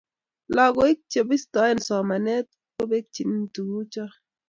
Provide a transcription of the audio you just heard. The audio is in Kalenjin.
lakoik chebistoi somanet kobekchini tukuchotp